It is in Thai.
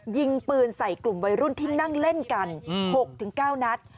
ยิงปืนใส่กลุ่มวัยรุ่นที่นั่งเล่นกัน๖๙นัด